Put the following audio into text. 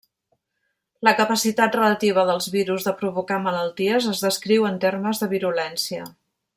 La capacitat relativa dels virus de provocar malalties es descriu en termes de virulència.